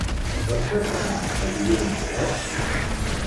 Pots apagar els llums led?